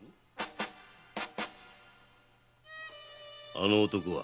あの男は？